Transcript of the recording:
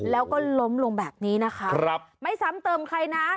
แล้วก็ล้มลงแบบนี้นะคะไม่ซ้ำเติมใครนะ